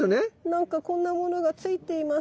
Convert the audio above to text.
何かこんなものがついています。